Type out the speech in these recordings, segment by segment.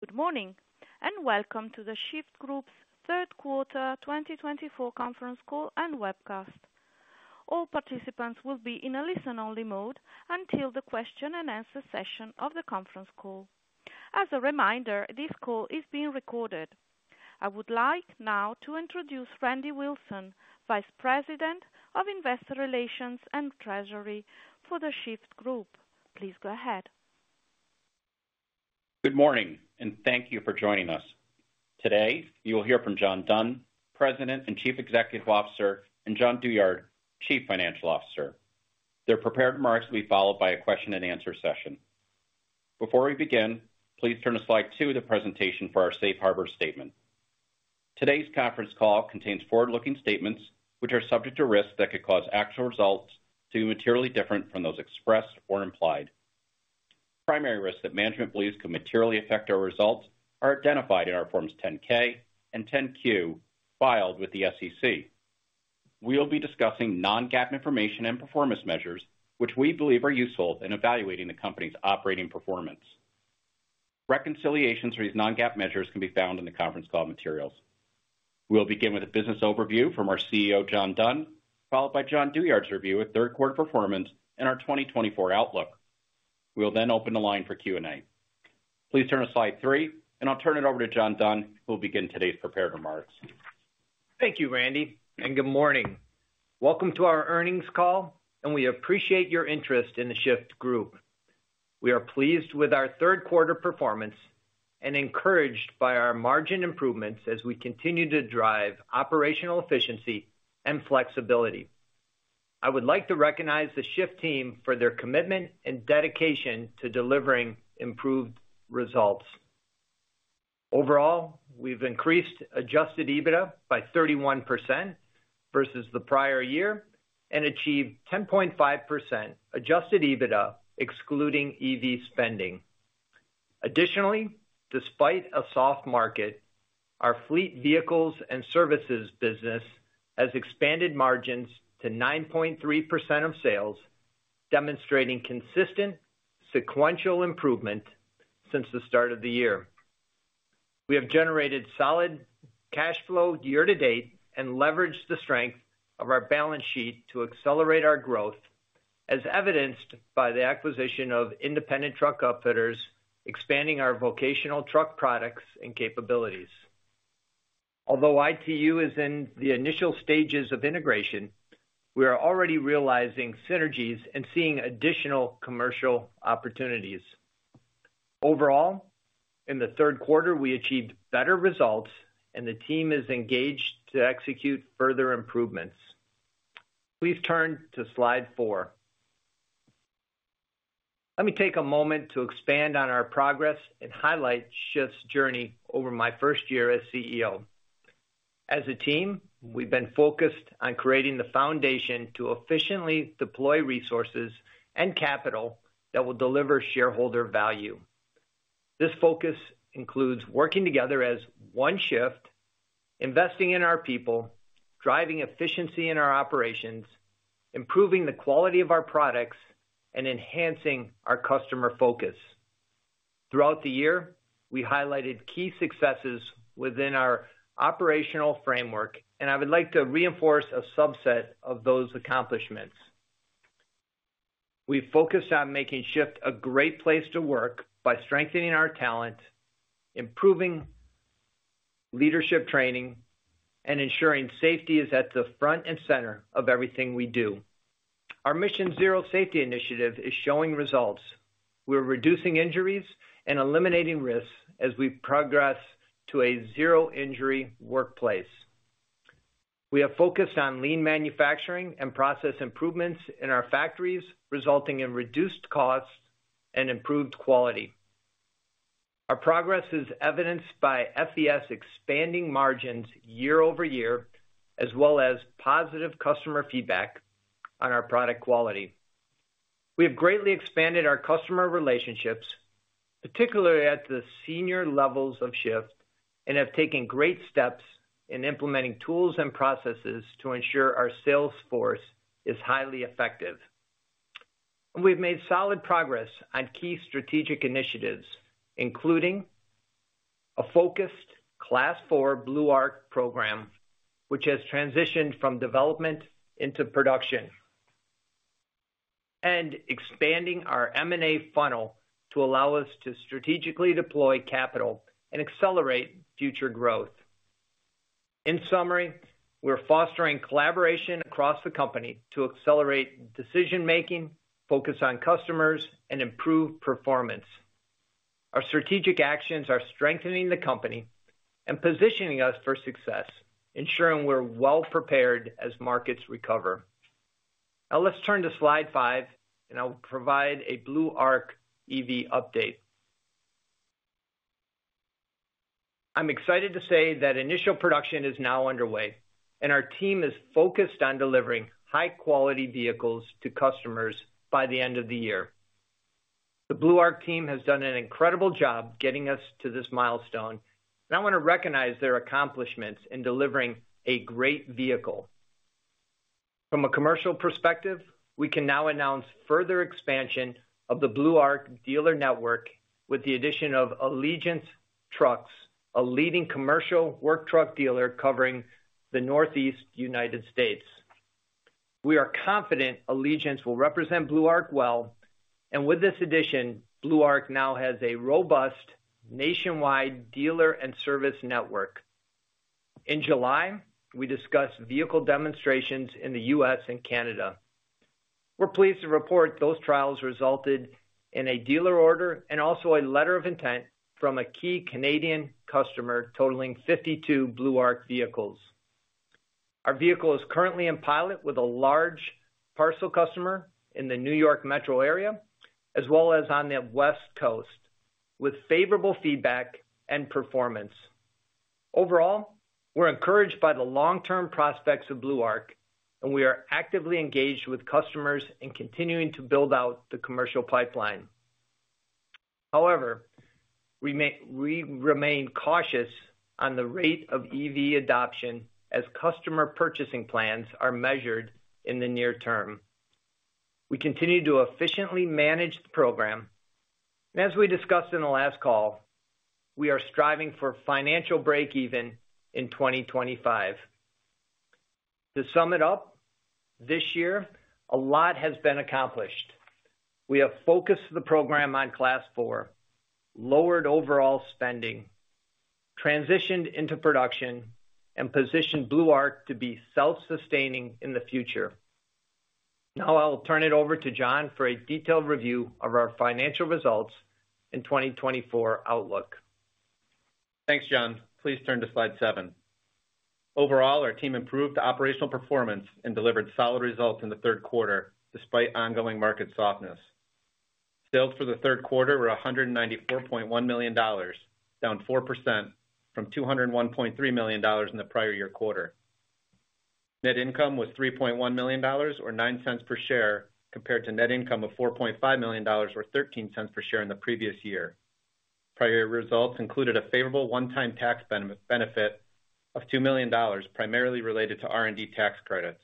Good morning, and welcome to The Shyft Group's third quarter twenty twenty-four conference call and webcast. All participants will be in a listen-only mode until the question and answer session of the conference call. As a reminder, this call is being recorded. I would like now to introduce Randy Wilson, Vice President of Investor Relations and Treasury for The Shyft Group. Please go ahead. Good morning, and thank you for joining us. Today, you will hear from John Dunn, President and Chief Executive Officer, and Jon Douyard, Chief Financial Officer. Their prepared remarks will be followed by a question and answer session. Before we begin, please turn to slide two of the presentation for our safe harbor statement. Today's conference call contains forward-looking statements, which are subject to risks that could cause actual results to be materially different from those expressed or implied. Primary risks that management believes could materially affect our results are identified in our Forms 10-K and 10-Q filed with the SEC. We'll be discussing non-GAAP information and performance measures, which we believe are useful in evaluating the company's operating performance. Reconciliations for these non-GAAP measures can be found in the conference call materials. We'll begin with a business overview from our CEO, John Dunn, followed by Jon Douyard's review of third quarter performance and our twenty twenty-four outlook. We'll then open the line for Q&A. Please turn to slide three, and I'll turn it over to John Dunn, who will begin today's prepared remarks. Thank you, Randy, and good morning. Welcome to our earnings call, and we appreciate your interest in The Shyft Group. We are pleased with our third quarter performance and encouraged by our margin improvements as we continue to drive operational efficiency and flexibility. I would like to recognize the Shyft team for their commitment and dedication to delivering improved results. Overall, we've increased Adjusted EBITDA by 31% versus the prior year and achieved 10.5% Adjusted EBITDA, excluding EV spending. Additionally, despite a soft market, our Fleet Vehicles and Services business has expanded margins to 9.3% of sales, demonstrating consistent sequential improvement since the start of the year. We have generated solid cash flow year to date and leveraged the strength of our balance sheet to accelerate our growth, as evidenced by the acquisition of Independent Truck Upfitters, expanding our vocational truck products and capabilities. Although ITU is in the initial stages of integration, we are already realizing synergies and seeing additional commercial opportunities. Overall, in the third quarter, we achieved better results, and the team is engaged to execute further improvements. Please turn to slide four. Let me take a moment to expand on our progress and highlight Shyft's journey over my first year as CEO. As a team, we've been focused on creating the foundation to efficiently deploy resources and capital that will deliver shareholder value. This focus includes working together as one Shyft, investing in our people, driving efficiency in our operations, improving the quality of our products, and enhancing our customer focus. Throughout the year, we highlighted key successes within our operational framework, and I would like to reinforce a subset of those accomplishments. We focused on making Shyft a great place to work by strengthening our talent, improving leadership training, and ensuring safety is at the front and center of everything we do. Our Mission Zero safety initiative is showing results. We're reducing injuries and eliminating risks as we progress to a zero-injury workplace. We have focused on lean manufacturing and process improvements in our factories, resulting in reduced costs and improved quality. Our progress is evidenced by FVS expanding margins year-over-year, as well as positive customer feedback on our product quality. We have greatly expanded our customer relationships, particularly at the senior levels of Shyft, and have taken great steps in implementing tools and processes to ensure our sales force is highly effective. We've made solid progress on key strategic initiatives, including a focused Class 4 Blue Arc program, which has transitioned from development into production, and expanding our M&A funnel to allow us to strategically deploy capital and accelerate future growth. In summary, we're fostering collaboration across the company to accelerate decision-making, focus on customers, and improve performance. Our strategic actions are strengthening the company and positioning us for success, ensuring we're well prepared as markets recover. Now, let's turn to slide five, and I'll provide a Blue Arc EV update. I'm excited to say that initial production is now underway, and our team is focused on delivering high-quality vehicles to customers by the end of the year. The Blue Arc team has done an incredible job getting us to this milestone, and I want to recognize their accomplishments in delivering a great vehicle. From a commercial perspective, we can now announce further expansion of the Blue Arc dealer network with the addition of Allegiance Trucks, a leading commercial work truck dealer covering the Northeast United States. We are confident Allegiance will represent Blue Arc well, and with this addition, Blue Arc now has a robust nationwide dealer and service network. In July, we discussed vehicle demonstrations in the U.S. and Canada. We're pleased to report those trials resulted in a dealer order and also a letter of intent from a key Canadian customer, totaling 52 Blue Arc vehicles. Our vehicle is currently in pilot with a large parcel customer in the New York metro area, as well as on the West Coast, with favorable feedback and performance. Overall, we're encouraged by the long-term prospects of Blue Arc, and we are actively engaged with customers and continuing to build out the commercial pipeline. However, we remain cautious on the rate of EV adoption as customer purchasing plans are measured in the near term. We continue to efficiently manage the program, and as we discussed in the last call, we are striving for financial breakeven in 2025. To sum it up, this year, a lot has been accomplished. We have focused the program on Class 4, lowered overall spending, transitioned into production, and positioned Blue Arc to be self-sustaining in the future. Now I'll turn it over to Jon for a detailed review of our financial results in twenty twenty-four outlook. Thanks, John. Please turn to slide seven. Overall, our team improved operational performance and delivered solid results in the third quarter, despite ongoing market softness. Sales for the third quarter were $194.1 million, down 4% from $201.3 million in the prior year quarter. Net income was $3.1 million or 9 cents per share, compared to net income of $4.5 million or 13 cents per share in the previous year. Prior results included a favorable one-time tax benefit of $2 million, primarily related to R&D tax credits.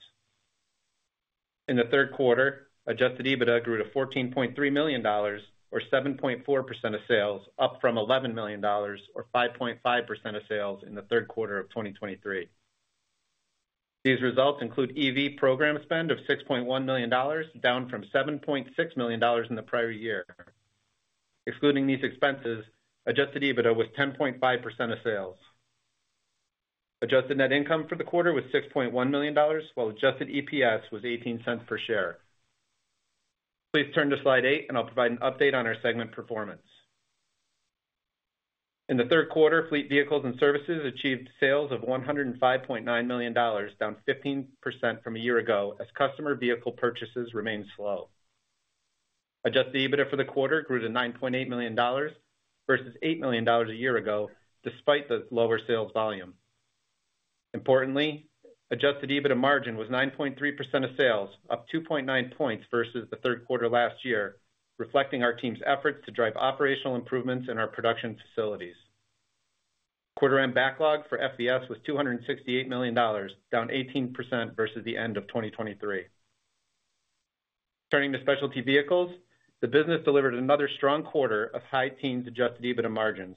In the third quarter, Adjusted EBITDA grew to $14.3 million, or 7.4% of sales, up from $11 million, or 5.5% of sales in the third quarter of 2023. These results include EV program spend of $6.1 million, down from $7.6 million in the prior-year. Excluding these expenses, adjusted EBITDA was 10.5% of sales. Adjusted net income for the quarter was $6.1 million, while adjusted EPS was $0.18 per share. Please turn to slide 8, and I'll provide an update on our segment performance. In the third quarter, fleet vehicles and services achieved sales of $105.9 million, down 15% from a year ago, as customer vehicle purchases remained slow. Adjusted EBITDA for the quarter grew to $9.8 million versus $8 million a year ago, despite the lower sales volume. Importantly, adjusted EBITDA margin was 9.3% of sales, up 2.9 points versus the third quarter last year, reflecting our team's efforts to drive operational improvements in our production facilities. Quarter end backlog for FVS was $268 million, down 18% versus the end of 2023. Turning to specialty vehicles, the business delivered another strong quarter of high teens adjusted EBITDA margins.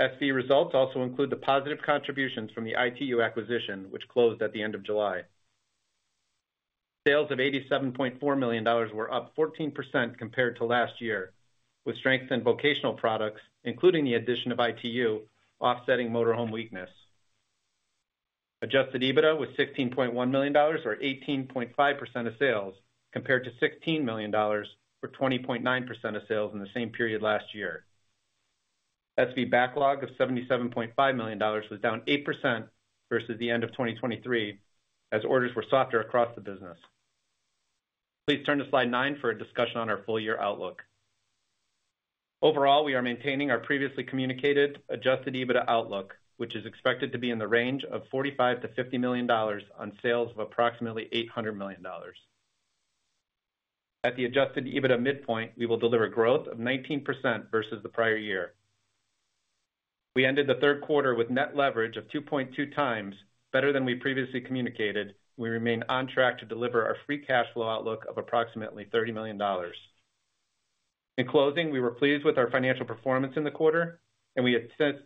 SV results also include the positive contributions from the ITU acquisition, which closed at the end of July. Sales of $87.4 million were up 14% compared to last year, with strength in vocational products, including the addition of ITU, offsetting motorhome weakness. Adjusted EBITDA was $16.1 million, or 18.5% of sales, compared to $16 million or 20.9% of sales in the same period last year. SV backlog of $77.5 million was down 8% versus the end of 2023, as orders were softer across the business. Please turn to slide 9 for a discussion on our full year outlook. Overall, we are maintaining our previously communicated adjusted EBITDA outlook, which is expected to be in the range of $45-50 million on sales of approximately $800 million. At the adjusted EBITDA midpoint, we will deliver growth of 19% versus the prior year. We ended the third quarter with net leverage of 2.2x, better than we previously communicated. We remain on track to deliver our free cash flow outlook of approximately $30 million. In closing, we were pleased with our financial performance in the quarter, and we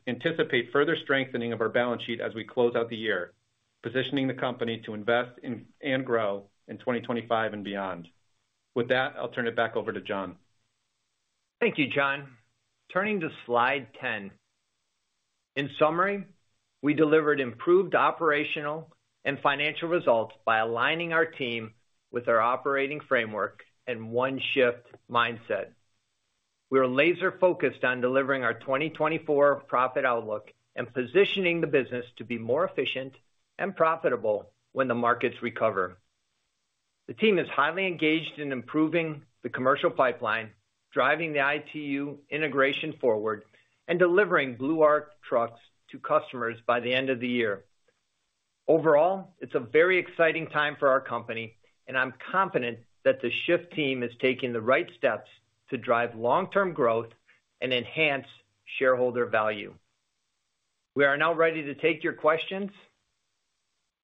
anticipate further strengthening of our balance sheet as we close out the year, positioning the company to invest in and grow in 2025 and beyond. With that, I'll turn it back over to John. Thank you, Jon. Turning to slide 10. In summary, we delivered improved operational and financial results by aligning our team with our operating framework and one Shyft mindset. We are laser focused on delivering our 2024 profit outlook and positioning the business to be more efficient and profitable when the markets recover. The team is highly engaged in improving the commercial pipeline, driving the ITU integration forward, and delivering Blue Arc trucks to customers by the end of the year. Overall, it's a very exciting time for our company, and I'm confident that the Shyft team is taking the right steps to drive long-term growth and enhance shareholder value.... We are now ready to take your questions.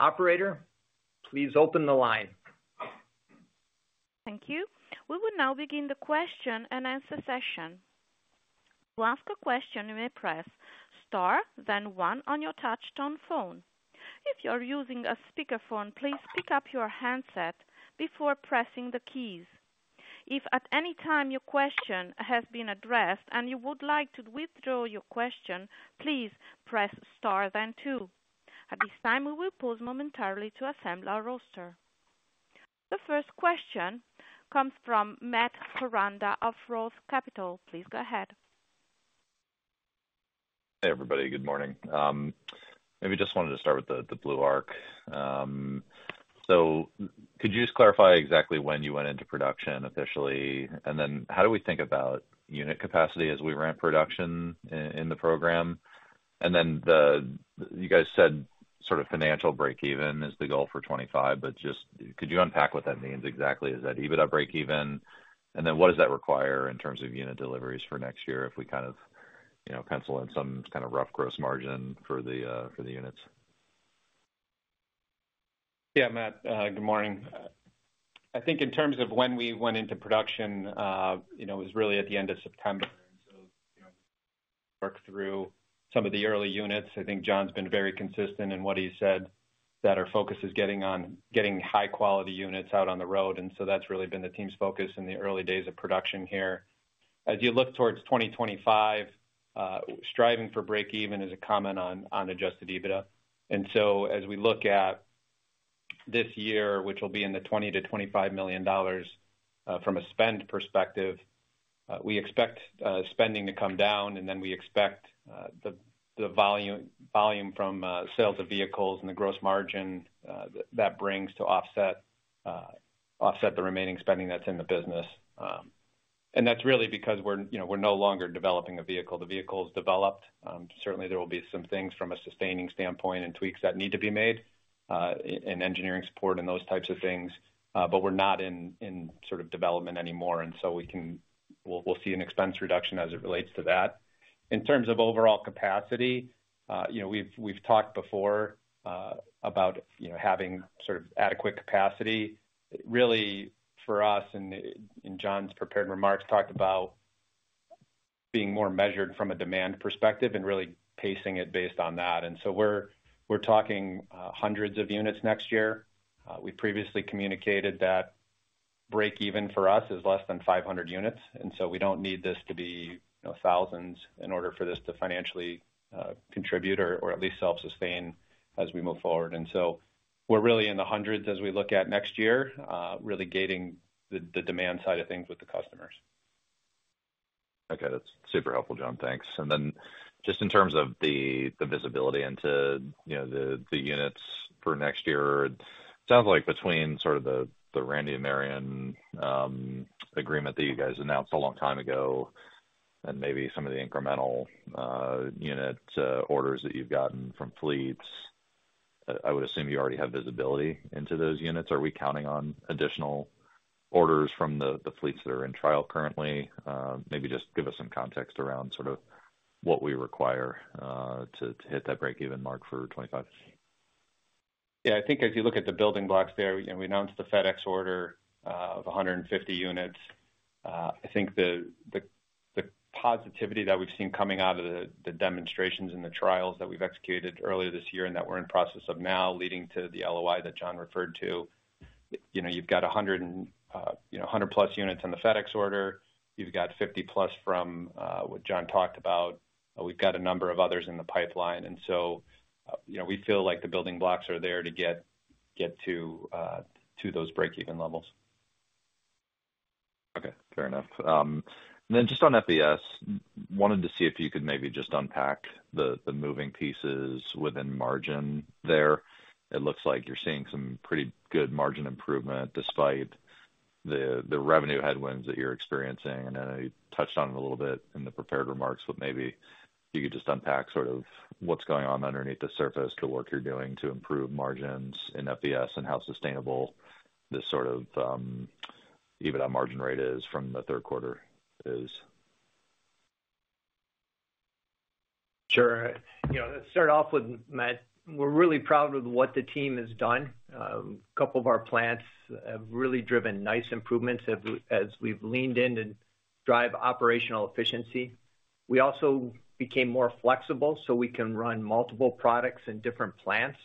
Operator, please open the line. Thank you. We will now begin the question-and-answer session. To ask a question, you may press star, then one on your touchtone phone. If you are using a speakerphone, please pick up your handset before pressing the keys. If at any time your question has been addressed and you would like to withdraw your question, please press star then two. At this time, we will pause momentarily to assemble our roster. The first question comes from Matt Koranda of Roth Capital. Please go ahead. Hey, everybody. Good morning. Maybe just wanted to start with the Blue Arc. So could you just clarify exactly when you went into production officially? And then how do we think about unit capacity as we ramp production in the program? And then you guys said sort of financial breakeven is the goal for 2025, but just could you unpack what that means exactly? Is that EBITDA breakeven? And then what does that require in terms of unit deliveries for next year, if we kind of, you know, pencil in some kind of rough gross margin for the units? Yeah, Matt, good morning. I think in terms of when we went into production, you know, it was really at the end of September. And so, you know, work through some of the early units. I think John's been very consistent in what he said, that our focus is getting high quality units out on the road, and so that's really been the team's focus in the early days of production here. As you look towards twenty twenty-five, striving for breakeven is a comment on Adjusted EBITDA. And so as we look at this year, which will be $20-25 million from a spend perspective, we expect spending to come down, and then we expect the volume from sales of vehicles and the gross margin that brings to offset the remaining spending that's in the business. And that's really because we're, you know, we're no longer developing a vehicle. The vehicle is developed. Certainly, there will be some things from a sustaining standpoint and tweaks that need to be made in engineering support and those types of things, but we're not in sort of development anymore, and so we can we'll see an expense reduction as it relates to that. In terms of overall capacity, you know, we've talked before about you know having sort of adequate capacity. Really, for us, John's prepared remarks talked about being more measured from a demand perspective and really pacing it based on that. So we're talking hundreds of units next year. We previously communicated that breakeven for us is less than 500 units, and so we don't need this to be, you know, thousands in order for this to financially contribute or at least self-sustain as we move forward. So we're really in the hundreds as we look at next year, really gating the demand side of things with the customers. Okay, that's super helpful, Jon. Thanks, and then just in terms of the visibility into, you know, the units for next year, it sounds like between sort of the Randy Marion agreement that you guys announced a long time ago and maybe some of the incremental unit orders that you've gotten from fleets, I would assume you already have visibility into those units. Are we counting on additional orders from the fleets that are in trial currently? Maybe just give us some context around sort of what we require to hit that breakeven mark for 2025. Yeah, I think as you look at the building blocks there, you know, we announced the FedEx order of a hundred and fifty units. I think the positivity that we've seen coming out of the demonstrations and the trials that we've executed earlier this year and that we're in process of now leading to the LOI that John referred to, you know, you've got a hundred and, you know, a 100+ units on the FedEx order. You've got fifty-plus from what John talked about. We've got a number of others in the pipeline, and so, you know, we feel like the building blocks are there to get to those breakeven levels. Okay, fair enough. And then just on FVS, wanted to see if you could maybe just unpack the moving pieces within margin there. It looks like you're seeing some pretty good margin improvement despite the revenue headwinds that you're experiencing. And I know you touched on it a little bit in the prepared remarks, but maybe you could just unpack sort of what's going on underneath the surface, the work you're doing to improve margins in FVS and how sustainable this sort of EBITDA margin rate is from the third quarter. Sure. You know, let's start off with Matt. We're really proud of what the team has done. A couple of our plants have really driven nice improvements as we, as we've leaned in to drive operational efficiency. We also became more flexible, so we can run multiple products in different plants.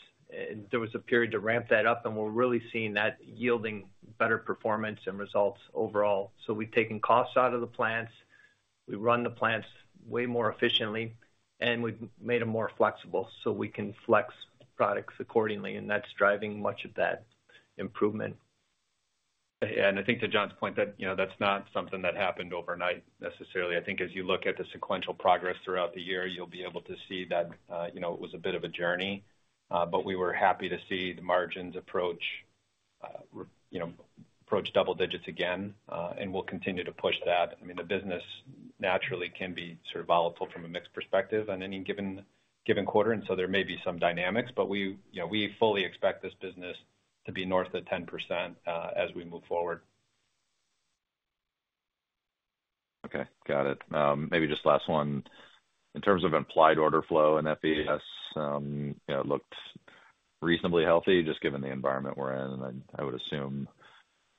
There was a period to ramp that up, and we're really seeing that yielding better performance and results overall. So we've taken costs out of the plants, we run the plants way more efficiently, and we've made them more flexible, so we can flex products accordingly, and that's driving much of that improvement. I think to John's point, that, you know, that's not something that happened overnight necessarily. I think as you look at the sequential progress throughout the year, you'll be able to see that, you know, it was a bit of a journey, but we were happy to see the margins approach, you know, double digits again, and we'll continue to push that. I mean, the business naturally can be sort of volatile from a mix perspective on any given quarter, and so there may be some dynamics, but we, you know, we fully expect this business to be north of 10%, as we move forward. Okay, got it. Maybe just last one. In terms of implied order flow in FVS, you know, it looked reasonably healthy, just given the environment we're in, and I would assume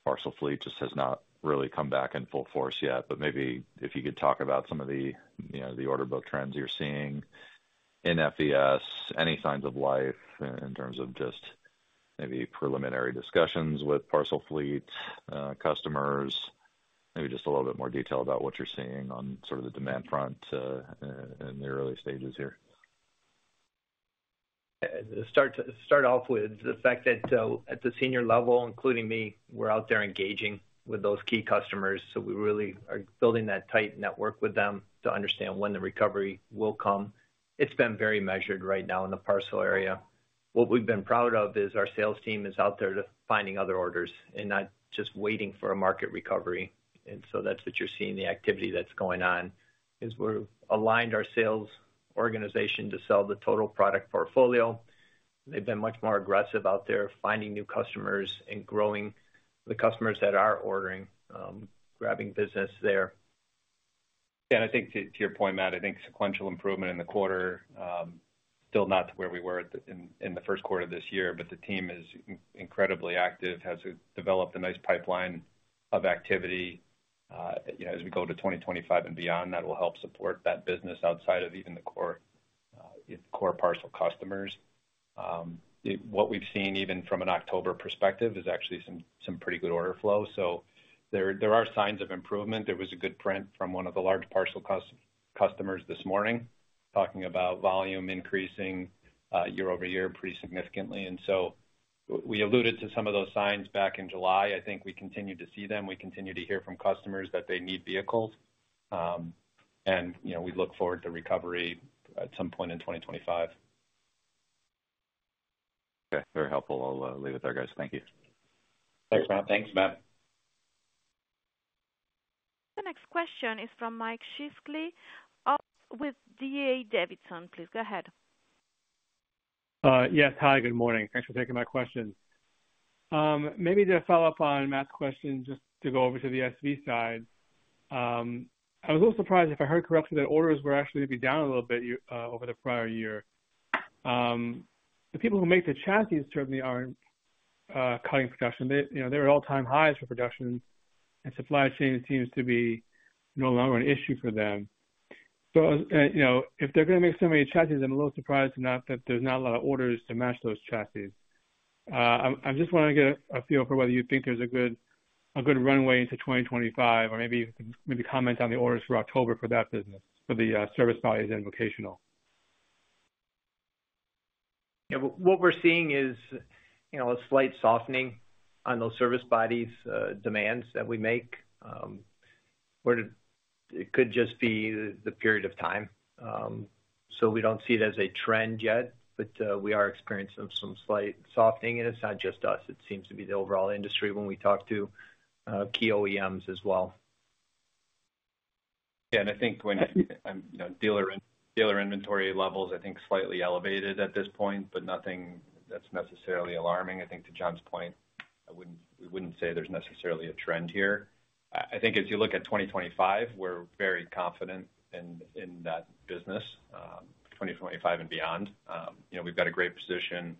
parcel fleet just has not really come back in full force yet, but maybe if you could talk about some of the, you know, the order book trends you're seeing in FVS, any signs of life in terms of just maybe preliminary discussions with parcel fleet customers? Maybe just a little bit more detail about what you're seeing on sort of the demand front in the early stages here. Start off with the fact that, at the senior level, including me, we're out there engaging with those key customers, so we really are building that tight network with them to understand when the recovery will come. It's been very measured right now in the parcel area. What we've been proud of is our sales team is out there to finding other orders and not just waiting for a market recovery. And so that's what you're seeing, the activity that's going on, is we've aligned our sales organization to sell the total product portfolio. They've been much more aggressive out there, finding new customers and growing the customers that are ordering, grabbing business there. Yeah, and I think to your point, Matt, I think sequential improvement in the quarter, still not to where we were at the, in the first quarter of this year, but the team is incredibly active, has developed a nice pipeline of activity, you know, as we go to 2025 and beyond. That will help support that business outside of even the core, core parcel customers. What we've seen, even from an October perspective, is actually some pretty good order flow. So there are signs of improvement. There was a good print from one of the large parcel customers this morning, talking about volume increasing year-over-year pretty significantly. And so we alluded to some of those signs back in July. I think we continue to see them. We continue to hear from customers that they need vehicles. You know, we look forward to recovery at some point in 2025. Okay, very helpful. I'll leave it there, guys. Thank you. Thanks, Matt. Thanks, Matt. The next question is from Mike Shlisky with D.A. Davidson. Please, go ahead. Yes. Hi, good morning. Thanks for taking my questions. Maybe to follow up on Matt's question, just to go over to the SV side. I was a little surprised if I heard correctly, that orders were actually to be down a little bit over the prior year. The people who make the chassis certainly aren't cutting production. They, you know, they're at all-time highs for production, and supply chain seems to be no longer an issue for them. So, you know, if they're going to make so many chassis, I'm a little surprised that there's not a lot of orders to match those chassis. I just want to get a feel for whether you think there's a good runway into 2025, or maybe comment on the orders for October for that business, for the service bodies and vocational. Yeah. What we're seeing is, you know, a slight softening on those service bodies demands that we make. Where it could just be the period of time. So we don't see it as a trend yet, but we are experiencing some slight softening. And it's not just us. It seems to be the overall industry when we talk to key OEMs as well. Yeah, and I think when, you know, dealer inventory levels, I think, slightly elevated at this point, but nothing that's necessarily alarming. I think to John's point, I wouldn't we wouldn't say there's necessarily a trend here. I think if you look at 2025, we're very confident in that business, 2025 and beyond. You know, we've got a great position.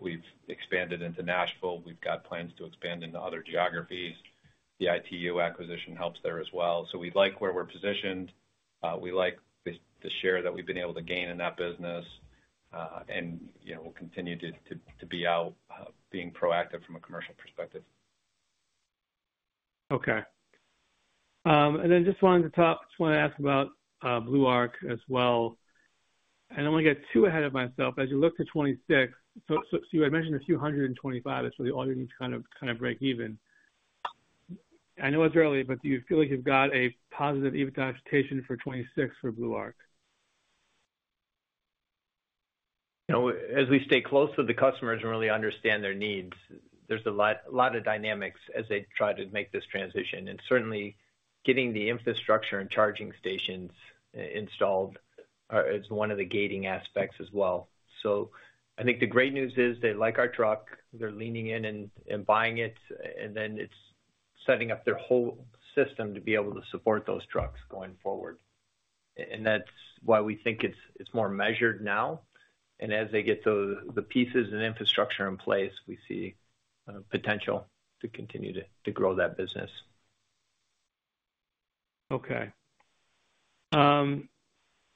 We've expanded into Nashville. We've got plans to expand into other geographies. The ITU acquisition helps there as well. So we like where we're positioned. We like the share that we've been able to gain in that business. And, you know, we'll continue to be out being proactive from a commercial perspective. Okay. And then just want to ask about Blue Arc as well. I don't want to get too ahead of myself as you look to 2026. So you had mentioned a few hundred in 2025. That's all you need to kind of break even. I know it's early, but do you feel like you've got a positive EBITDA expectation for 2026 for Blue Arc? You know, as we stay close with the customers and really understand their needs, there's a lot, a lot of dynamics as they try to make this transition. And certainly, getting the infrastructure and charging stations installed is one of the gating aspects as well. So I think the great news is, they like our truck. They're leaning in and buying it, and then it's setting up their whole system to be able to support those trucks going forward. And that's why we think it's more measured now. And as they get the pieces and infrastructure in place, we see potential to continue to grow that business. Okay, and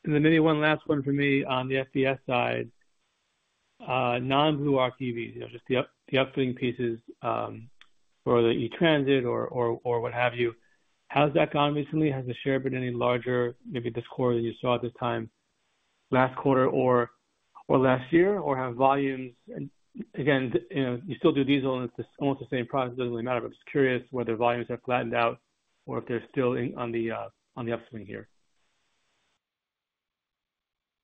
then maybe one last one for me on the FVS side. Non-Blue Arc EVs, you know, just the up, the upcoming pieces for the E-Transit or what have you. How's that gone recently? Has the share been any larger, maybe this quarter than you saw at this time last quarter or last year? Or have volumes, and again, you know, you still do diesel, and it's almost the same price. It doesn't really matter, but just curious whether volumes have flattened out or if they're still on the upswing here.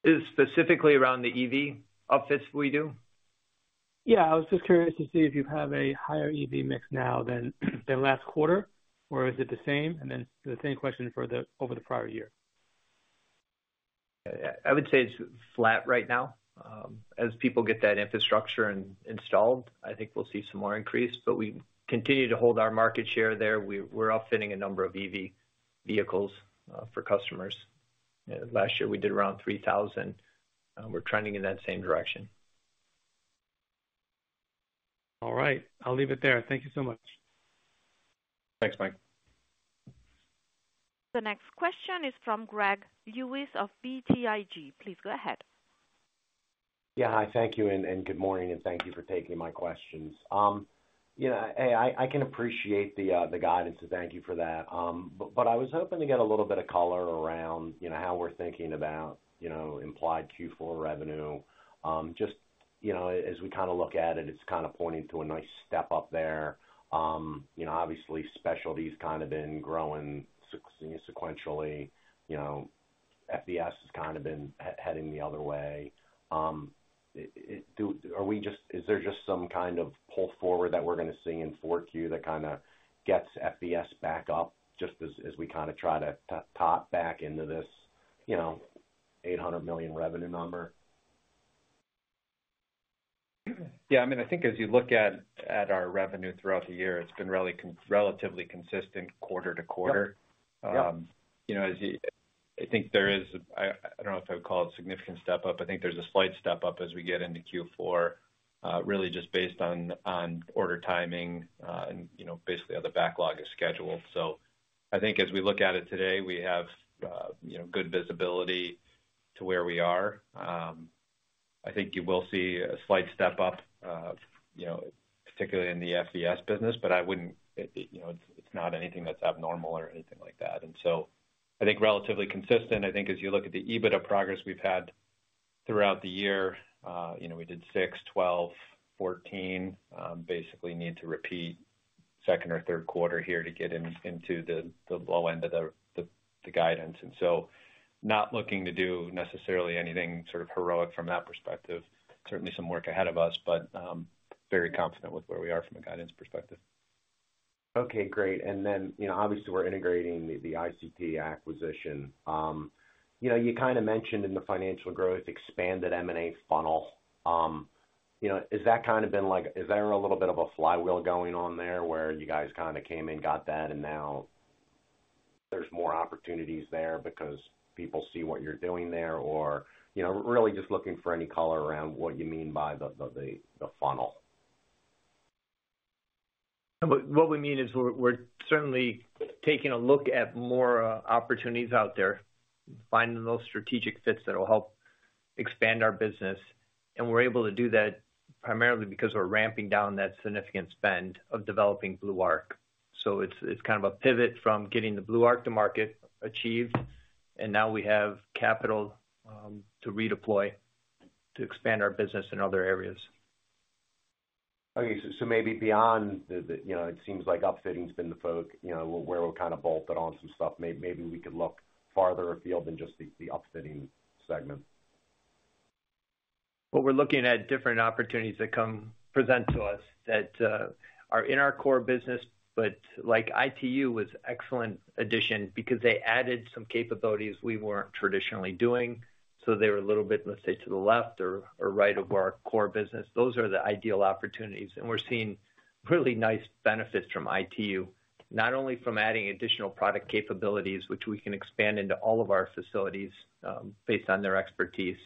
Is specifically around the EV upfits we do? Yeah. I was just curious to see if you have a higher EV mix now than last quarter, or is it the same? And then the same question for the over the prior year. I would say it's flat right now. As people get that infrastructure installed, I think we'll see some more increase, but we continue to hold our market share there. We're outfitting a number of EV vehicles for customers. Last year, we did around three thousand; we're trending in that same direction. All right, I'll leave it there. Thank you so much. Thanks, Mike. The next question is from Greg Lewis of BTIG. Please go ahead. Yeah. Hi, thank you, and good morning, and thank you for taking my questions. Yeah, hey, I can appreciate the guidance, so thank you for that. But I was hoping to get a little bit of color around, you know, how we're thinking about, you know, implied Q4 revenue. Just, you know, as we kinda look at it, it's kinda pointing to a nice step up there. You know, obviously, specialty's kind of been growing sequentially. You know, FVS has kind of been heading the other way. Is there just some kind of pull forward that we're gonna see in Q4 that kinda gets FVS back up, just as we kinda try to pop back into this, you know, $800 million revenue number? Yeah, I mean, I think as you look at our revenue throughout the year, it's been really relatively consistent quarter to quarter. Yep, yep. You know, as you... I think there is. I don't know if I would call it significant step up. I think there's a slight step up as we get into Q4, really just based on order timing, and, you know, basically, how the backlog is scheduled. So I think as we look at it today, we have, you know, good visibility to where we are. I think you will see a slight step up, you know, particularly in the FVS business, but I wouldn't, you know, it's not anything that's abnormal or anything like that. And so I think relatively consistent. I think as you look at the EBITDA progress we've had throughout the year, you know, we did 6, 12, 14, basically need to repeat second or third quarter here to get into the low end of the guidance. And so not looking to do necessarily anything sort of heroic from that perspective. Certainly some work ahead of us, but very confident with where we are from a guidance perspective. Okay, great. And then, you know, obviously, we're integrating the ITU acquisition. You know, you kind of mentioned in the financial growth, expanded M&A funnel. You know, is that kind of been, is there a little bit of a flywheel going on there, where you guys kinda came in, got that, and now there's more opportunities there because people see what you're doing there? Or, you know, really just looking for any color around what you mean by the funnel. What we mean is we're certainly taking a look at more opportunities out there, finding those strategic fits that will help expand our business. And we're able to do that primarily because we're ramping down that significant spend of developing Blue Arc. So it's kind of a pivot from getting the Blue Arc to market achieved, and now we have capital to redeploy, to expand our business in other areas. Okay. So, maybe beyond the, you know, it seems like upfitting has been the focus, you know, where we're kind of bolted on some stuff. Maybe we could look farther afield than just the upfitting segment. We're looking at different opportunities that come present to us that are in our core business, but like ITU was excellent addition because they added some capabilities we weren't traditionally doing, so they were a little bit, let's say, to the left or right of our core business. Those are the ideal opportunities, and we're seeing really nice benefits from ITU, not only from adding additional product capabilities, which we can expand into all of our facilities based on their expertise,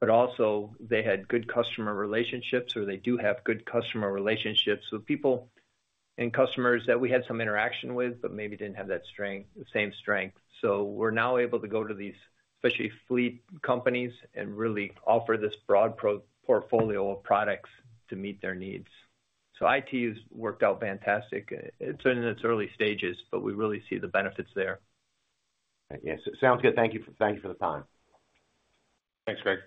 but also they had good customer relationships, or they do have good customer relationships. So people and customers that we had some interaction with, but maybe didn't have that strength, the same strength. So we're now able to go to these fishery fleet companies and really offer this broad portfolio of products to meet their needs. So ITU's worked out fantastic. It's in its early stages, but we really see the benefits there. Yes, it sounds good. Thank you. Thank you for the time. Thanks, Greg.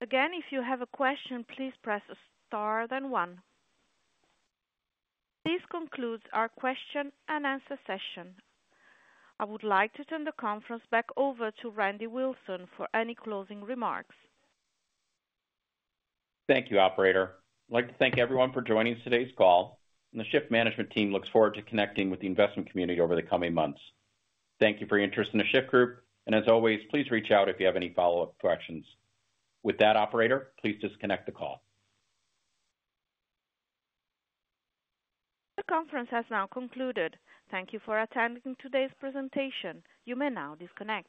Again, if you have a question, please press star, then one. This concludes our question and answer session. I would like to turn the conference back over to Randy Wilson for any closing remarks. Thank you, operator. I'd like to thank everyone for joining us today's call, and the Shyft management team looks forward to connecting with the investment community over the coming months. Thank you for your interest in the Shyft Group, and as always, please reach out if you have any follow-up questions. With that, operator, please disconnect the call. The conference has now concluded. Thank you for attending today's presentation. You may now disconnect.